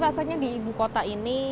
jamak sekali rasanya di ibu kota ini